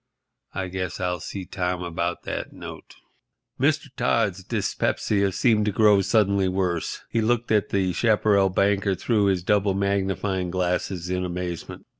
I guess I'll see Tom about that note." Mr. Todd's dyspepsia seemed to grow suddenly worse. He looked at the chaparral banker through his double magnifying glasses in amazement.